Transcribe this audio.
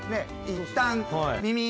いったん。